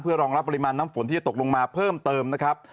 รองรับปริมาณน้ำฝนที่จะตกลงมาเพิ่มเติมนะครับ